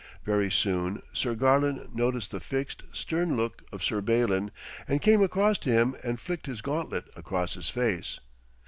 Very soon Sir Garlon noticed the fixed, stern look of Sir Balin, and came across to him and flicked his gauntlet across his face.